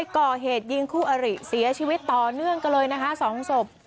ก่อเหตุยิงคู่อริเสียชีวิตต่อเนื่องกันเลยนะคะ๒ศพ